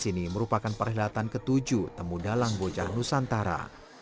pada dua ribu tujuh belas ini merupakan perkhidatan ke tujuh temu dalang bocah nusantara